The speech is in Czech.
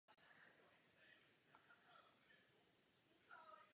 Zhruba každé dva roky potom následovala nová kniha.